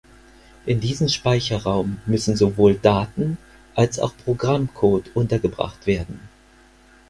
In diesen Speicherraum müssen sowohl Daten als auch Programmcode untergebracht werden.